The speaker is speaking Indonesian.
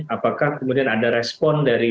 apakah kemudian ada respon dari